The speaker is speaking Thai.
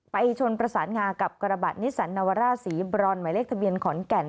ชนประสานงากับกระบะนิสันนาวาร่าสีบรอนหมายเลขทะเบียนขอนแก่น